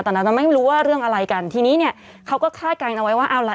แต่เราจะไม่รู้ว่าเรื่องอะไรกันทีนี้เนี่ยเขาก็คาดการณ์เอาไว้ว่าเอาล่ะ